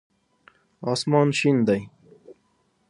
اسمان شین دی